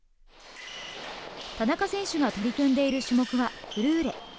田中選手が取り組んでいる種目はフルーレ。